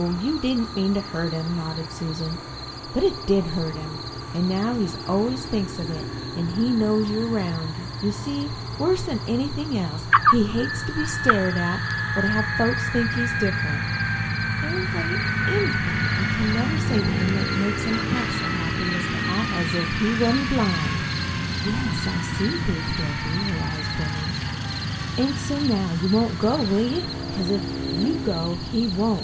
You didn't mean to hurt him," nodded Susan. "But it did hurt him. An' now he always thinks of it, if he knows you're 'round. You see, worse'n anything else, he hates to be stared at or to have folks think he's different. There ain't anything I can ever say to him that makes him half so happy as to act as if he wa'n't blind." "Yes, I see," breathed Dorothy, her eyes brimming. "An' so now you won't go, will you? Because if you go, he won't."